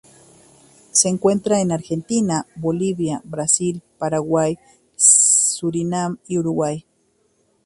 Se encuentra en Argentina, Bolivia, Brasil, Paraguay, Surinam y Uruguay.